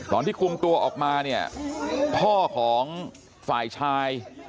ตอนที่คุมตัวออกมาเนี่ยพ่อของฝ่ายชาย